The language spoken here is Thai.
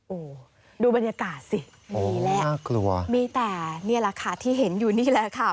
โอ้ดูบรรยากาศสินี่แหละมีแต่นี่แหละค่ะที่เห็นอยู่นี่แหละค่ะ